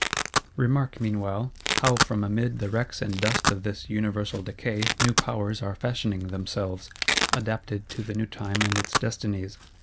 Remark, meanwhile, how from amid the wrecks and dust of this universal Decay new Powers are fashioning themselves, adapted to the new time and its destinies.